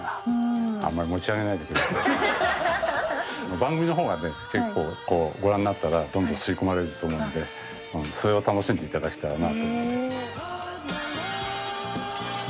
番組の方がね結構ご覧になったらどんどん吸い込まれると思うんでそれを楽しんでいただけたらなと思って。